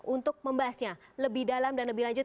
untuk membahasnya lebih dalam dan lebih lanjut